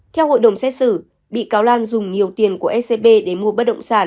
theo hội đồng xét xử bị cáo lan dùng nhiều tiền của scb để mua bất động sản